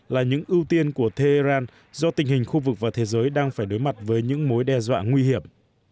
là những ưu tiên của tehran do tình hình khu vực và thế giới đang phải đối mặt với những mối đe dọa nguy hiểm